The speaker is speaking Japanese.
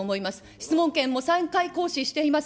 質問権も３回行使しています。